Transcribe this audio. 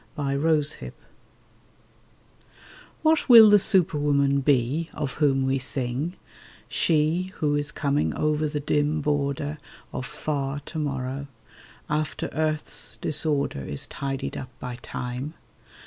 THE SUPERWOMAN WHAT will the superwoman be, of whom we sing— She who is coming over the dim border Of Far To morrow, after earth's disorder Is tidied up by Time?